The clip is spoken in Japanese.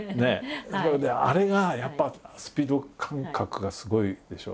あれがやっぱスピード感覚がすごいでしょ？